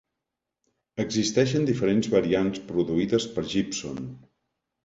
Existeixen diferents variants produïdes per Gibson.